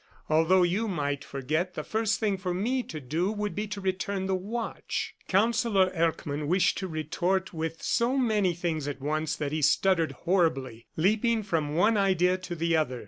Although you might forget, the first thing for me to do would be to return the watch." Counsellor Erckmann wished to retort with so many things at once that he stuttered horribly, leaping from one idea to the other.